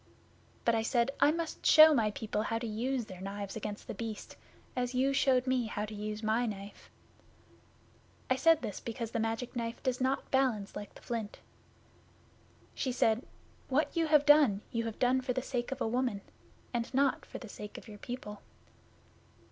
But I said, "I must show my people how to use their knives against The Beast, as you showed me how to use my knife." I said this because the Magic Knife does not balance like the flint. She said, "What you have done, you have done for the sake of a woman, and not for the sake of your people."